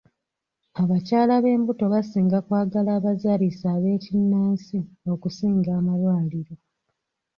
Abakyala b'embuto basinga kwagala abazaalisa ab'ekinnansi okusinga amalwaliro.